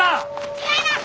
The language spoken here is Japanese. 違います！